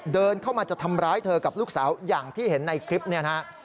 เดินเข้ามาจะทำร้ายเธอกับลูกสาวอย่างที่เห็นในคลิปนี้นะฮะ